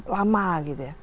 lama gitu ya prosesnya